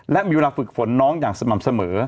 และมีเวลาฝึกฝนน้องอย่างสม่ำเสมอ